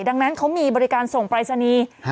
ดังนั้นเขามีบริการส่งปรายศนีย์